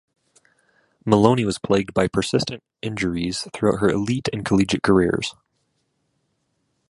Maloney was plagued by persistent injuries throughout her elite and collegiate careers.